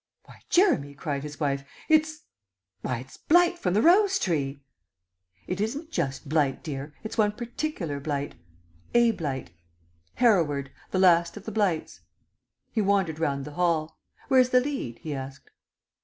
"Why, Jeremy," cried his wife, "it's why, it's blight from the rose tree!" "It isn't just blight, dear; it's one particular blight. A blight. Hereward, the Last of the Blights." He wandered round the hall. "Where's the lead?" he asked.